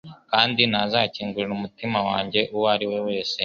kandi ntazakingurira umutima wanjye uwo ari we wese. .